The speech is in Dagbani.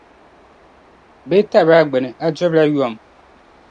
Bɛ yi tabiri a gbini, a durila yom.